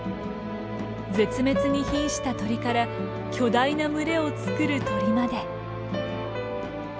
絶滅に瀕した鳥から巨大な群れを作る鳥まで。